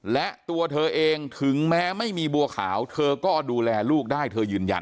และตัวเธอเองถึงแม้ไม่มีบัวขาวเธอก็ดูแลลูกได้เธอยืนยัน